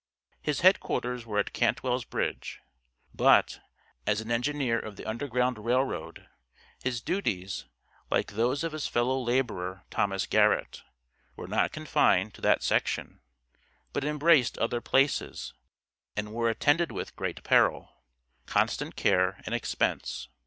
His headquarters were at Cantwell's Bridge, but, as an engineer of the Underground Rail Road, his duties, like those of his fellow laborer Thomas Garrett, were not confined to that section, but embraced other places, and were attended with great peril, constant care and expense.